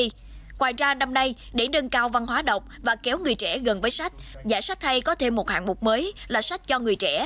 ngoài ra năm nay để nâng cao văn hóa đọc và kéo người trẻ gần với sách giải sách hay có thêm một hạng mục mới là sách cho người trẻ